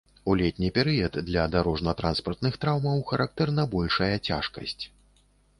У летні перыяд для дарожна-транспартных траўмаў характэрна большая цяжкасць.